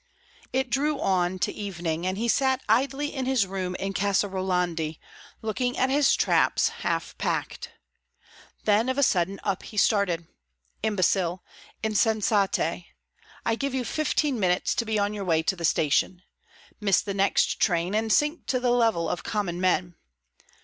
It drew on to evening, and he sat idly in his room in Casa Rolandi, looking at his traps half packed. Then of a sudden up he started. "Imbecile! Insensate! I give you fifteen minutes to be on your way to the station. Miss the next train and sink to the level of common men!"